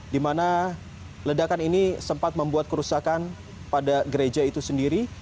di mana ledakan ini sempat membuat kerusakan pada gereja itu sendiri